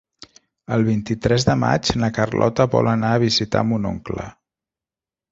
El vint-i-tres de maig na Carlota vol anar a visitar mon oncle.